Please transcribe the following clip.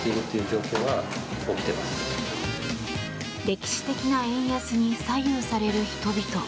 歴史的な円安に左右される人々。